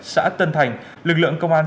xã tân thành lực lượng công an